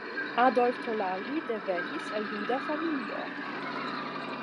Adolf Tollagi devenis el juda familio.